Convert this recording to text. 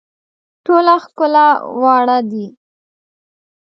ټوله ښکلا واړه دي.